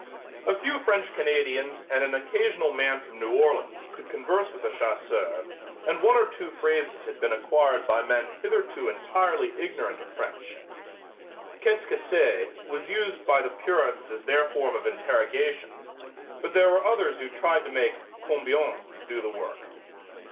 A few French Canadians and an occasional man from New Orleans could converse with the chasseurs and one or two phrases had been acquired by men hitherto entirely ignorant of French. "Qu'est ce que c'est?" was used by the purists as their form of interrogation, but there were others who tried to make "combien" do the work.